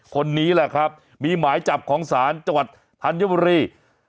คนนี้แหละครับมีหมายจับของศาลจังหวัดธัญบุรี